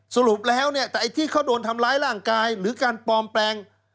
สรุปแล้วเนี่ยแต่ไอ้ที่เขาโดนทำร้ายร่างกายหรือการปลอมแปลง